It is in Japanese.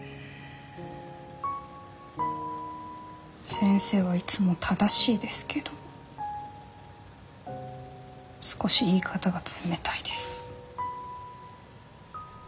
先生はいつも正しいですけど少し言い方が冷たいです。